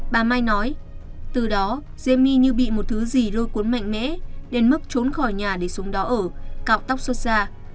bà mai nói từ đó dêm my như bị một thứ gì lôi cuốn mạnh mẽ đến mức trốn khỏi nhà để xuống đó ở cạo tóc xuất xa